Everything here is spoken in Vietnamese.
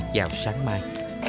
vào sáng mai